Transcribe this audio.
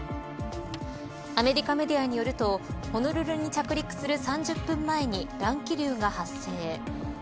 アメリカメディアによるとホノルルに着陸する３０分前に乱気流が発生。